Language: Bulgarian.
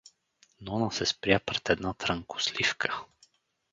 Нона се спря пред една трънкосливка.